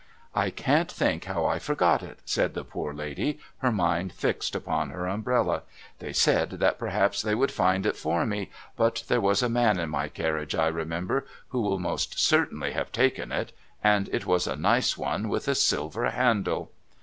"I can't think how I forgot it," said the poor lady, her mind fixed upon her umbrella. "They said that perhaps they would find it for me, but there was a man in my carriage, I remember, who will most certainly have taken it and it was a nice one with a silver handle."